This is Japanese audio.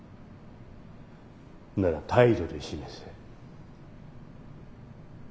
なら態度で示せ。